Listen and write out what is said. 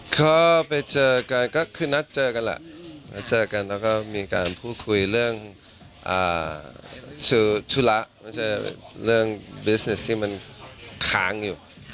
ก็ไปเจอกันก็คือนัดเจอกันแหละนัดเจอกันแล้วก็มีการพูดคุยเรื่องชูธุระไม่ใช่เรื่องดิสเนสที่มันค้างอยู่